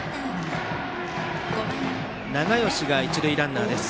永吉が一塁ランナーです。